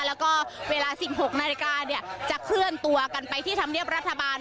แล้วก็เวลา๑๖นาฬิกาเนี่ยจะเคลื่อนตัวกันไปที่ธรรมเนียบรัฐบาล